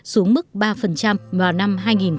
xuống mức ba vào năm hai nghìn ba mươi